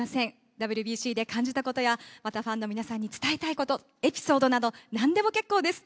ＷＢＣで感じたことや、またファンの皆さんに伝えたいこと、エピソードなど、なんでも結構です。